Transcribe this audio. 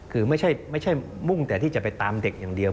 คือไม่ใช่มุ่งแต่ที่จะไปตามเด็กอย่างเดียว